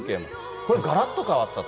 これ、がらっと変わったと。